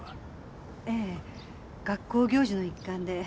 ええ学校行事の一環で。